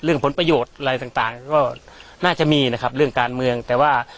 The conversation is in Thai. ผลประโยชน์อะไรต่างก็น่าจะมีนะครับเรื่องการเมืองแต่ว่า